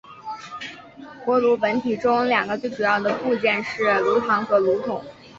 锅炉本体中两个最主要的部件是炉膛和锅筒。